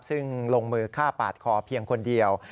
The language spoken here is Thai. ซึ่งลงมือฆ่าปาดคอเพียงคนเดียว